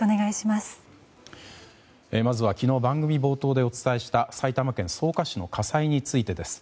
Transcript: まずは昨日番組冒頭でお伝えした埼玉県草加市の火災についてです。